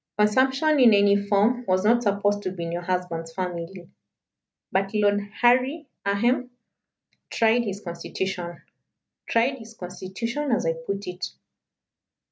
Consumption in any form was not supposed to be in your husband's family. But Lord Harry ahem! tried his constitution tried his constitition, as I put it."